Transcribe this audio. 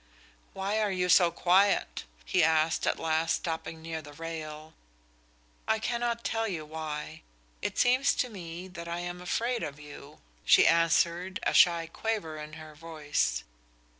"Why are you so quiet?" he asked, at last, stopping near the rail. "I cannot tell you why. It seems to me that I am afraid of you," she answered, a shy quaver in her voice.